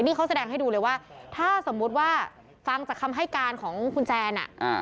นี่เขาแสดงให้ดูเลยว่าถ้าสมมุติว่าฟังจากคำให้การของคุณแจน